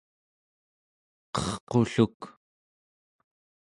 qerqulluk